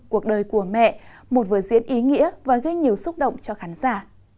cuộc đời của mẹ một vở diễn ý nghĩa và gây nhiều xúc động cho khán giả